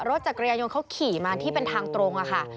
รถจักรยานยนต์เขาขี่มาที่เป็นทางตรงค่ะ